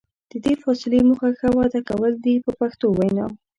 د دې فاصلې موخه ښه وده کول دي په پښتو وینا.